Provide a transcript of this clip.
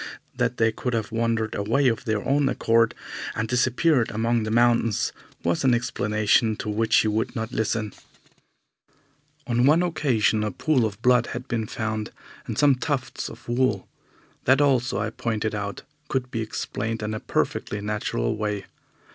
That they could have wandered away of their own accord and disappeared among the mountains was an explanation to which he would not listen. On one occasion a pool of blood had been found, and some tufts of wool. That also, I pointed out, could be explained in a perfectly natural way.